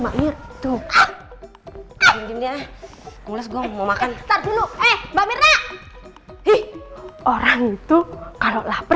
terima kasih udah sabar